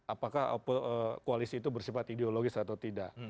apakah koalisi itu bersifat ideologis atau tidak